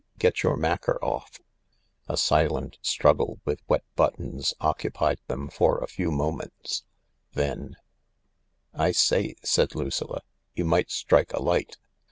Get your macker off." A silent struggle with wet buttons occupied them for a few moments. Then : THE LARK 133 "I say," said Lucilla, "you might strike a light.